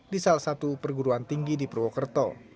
di salah satu perguruan tinggi di purwokerto